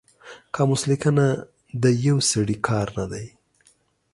قاموس لیکنه د یو سړي کار نه دی